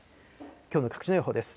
きょうの各地の予報です。